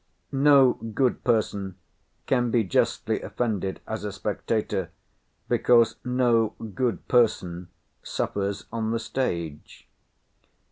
No good person can be justly offended as a spectator, because no good person suffers on the stage.